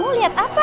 kamu lihat apa